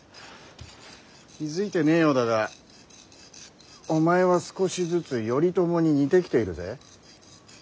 気付いてねえようだがお前は少しずつ頼朝に似てきているぜ。